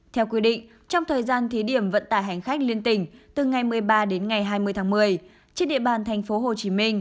theo quy định trong thời gian thí điểm vận tải hành khách liên tỉnh từ ngày một mươi ba đến ngày hai mươi tháng một mươi trên địa bàn tp hcm